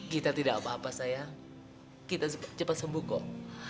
gita tidak apa apa sayang gita cepat sembuh kok